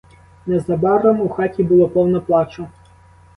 Незабаром у хаті було повно плачу.